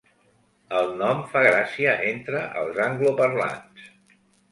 El nom fa gràcia entre els angloparlants.